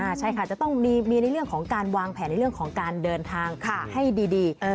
ใช่ค่ะจะต้องมีในเรื่องของการวางแผนในเรื่องของการเดินทางให้ดี